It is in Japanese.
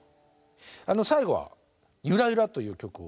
最後は「ゆらゆら」という曲を。